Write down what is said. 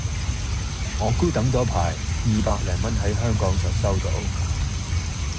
我估等多排二百零蚊喺香港就收到